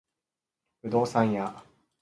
不動産屋